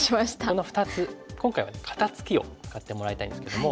この２つ今回は肩ツキを使ってもらいたいんですけども。